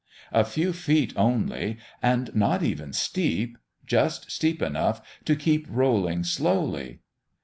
A few feet only, and not even steep; just steep enough to keep rolling slowly.